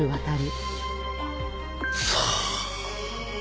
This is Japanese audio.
さあ。